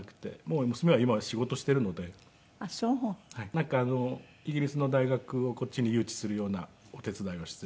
なんかイギリスの大学をこっちに誘致するようなお手伝いをしている。